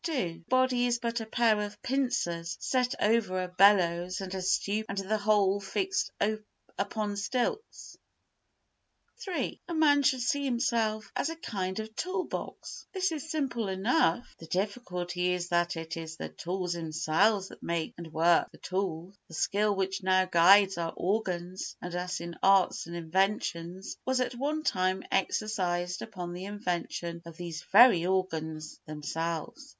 ii The body is but a pair of pincers set over a bellows and a stewpan and the whole fixed upon stilts. iii A man should see himself as a kind of tool box; this is simple enough; the difficulty is that it is the tools themselves that make and work the tools. The skill which now guides our organs and us in arts and inventions was at one time exercised upon the invention of these very organs themselves.